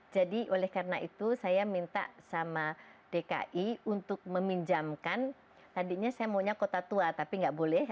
jadi oleh karena itu saya minta sama dki untuk meminjamkan tadinya saya maunya kota tua tapi nggak boleh